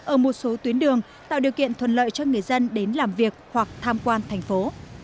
ở một số tuyến đường tạo điều kiện thuận lợi cho người dân đến làm việc hoặc tham quan thành phố